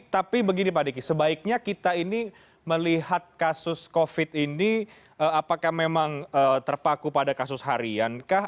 tapi begini pak diki sebaiknya kita ini melihat kasus covid ini apakah memang terpaku pada kasus harian kah